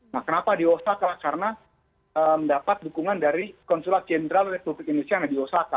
nah kenapa di osaka karena mendapat dukungan dari konsulat jenderal republik indonesia yang ada di osaka